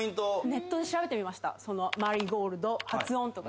ネットで調べてみました。